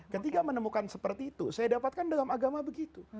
ketika menemukan seperti itu saya dapatkan dalam agama begitu